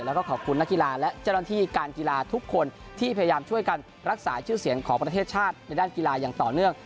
แล้วก็ขอบคุณนักกีฬาและเจ้าหน้าที่การกีฬาทุกคนที่พยายามช่วยกันรักษาชื่อเสียงของประเทศชาติในด้านกีฬาอย่างต่อเนื่อง